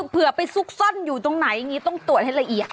เผื่อสุกซ่อนอยู่ตรงไหนต้องตรวจให้ละเอียด